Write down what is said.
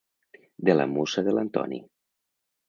De la musa de l'Antoni.